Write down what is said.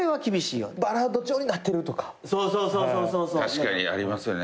確かにありますよね。